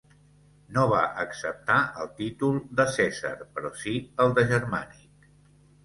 No va acceptar el títol de Cèsar però si el de Germànic.